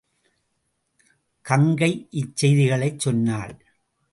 கங்கை இச்செய்திகளைச் சொன்னாள்.